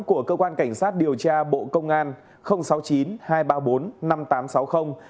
của cơ quan cảnh sát điều tra bộ công an